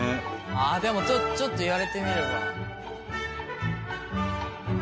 ああでもちょっと言われてみれば。